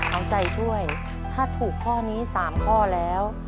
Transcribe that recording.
เอาใจช่วยถ้าถูกข้อนี้๓ข้อแล้ว